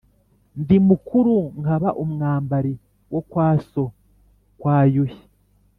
Ndi mukuru nkaba umwambali wo kwa so, kwa Yuhi